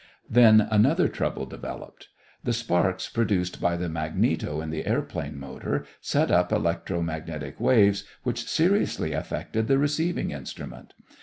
Then another trouble developed. The sparks produced by the magneto in the airplane motor set up electro magnetic waves which seriously affected the receiving instrument.